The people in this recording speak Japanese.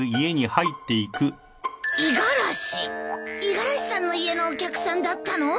五十嵐さんの家のお客さんだったの？